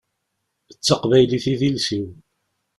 D taqbaylit i d idles-iw.